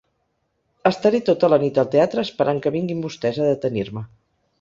Estaré tota la nit al teatre esperant que vinguin vostès a detenir-me.